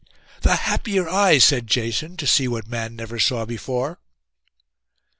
'The happier I,' said Jason, 'to see what man never saw before.